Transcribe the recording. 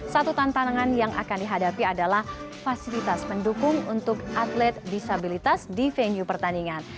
satu tantangan yang akan dihadapi adalah fasilitas pendukung untuk atlet disabilitas di venue pertandingan